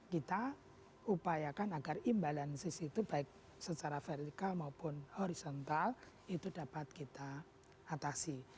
kita upayakan agar imbalansis itu baik secara vertikal maupun horizontal itu dapat kita atasi